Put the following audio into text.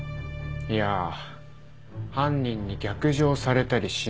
いや犯人に逆上されたりしないといいなって。